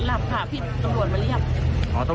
หลับค่ะพี่ตำรวจมาเรียก